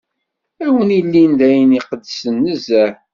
Ad wen-ilin d ayen iqedsen nezzeh.